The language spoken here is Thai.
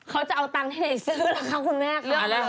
เขาจะเอาตังค์ให้ในซื้อหรอครับคุณแม่